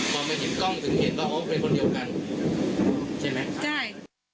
พอมาถึงกล้องถึงเห็นว่าโอ้เป็นคนเดียวกันใช่ไหมใช่